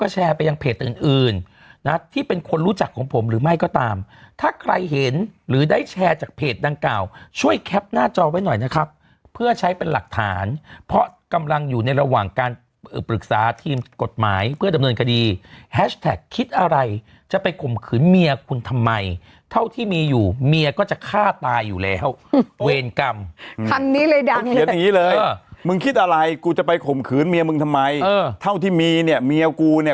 แชร์จากเพจดังกล่าวช่วยแคปหน้าจอไว้หน่อยนะครับเพื่อใช้เป็นหลักฐานเพราะกำลังอยู่ในระหว่างการปรึกษาทีมกฎหมายเพื่อดำเนินคดีแฮชแท็กคิดอะไรจะไปขมขืนเมียคุณทำไมเท่าที่มีอยู่เมียก็จะฆ่าตายอยู่แล้วเวรกรรมคันนี้เลยดังอย่างนี้เลยมึงคิดอะไรกูจะไปขมขืนเมียมึงทำไมเท่าที่มีเนี่ยเมียกูเน